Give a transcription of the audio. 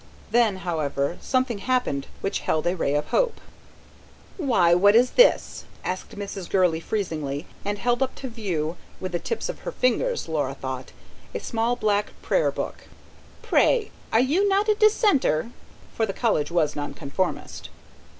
Then, however, something happened which held a ray of hope. "Why, what is this?" asked Mrs. Gurley freezingly, and held up to view with the tips of her fingers, Laura thought a small, black Prayer Book. "Pray, are you not a dissenter?" For the College was nonconformist.